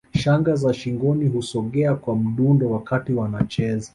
Shanga za shingoni husogea kwa mdundo wakati wanacheza